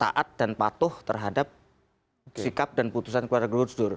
taat dan patuh terhadap sikap dan putusan keluarga gusdur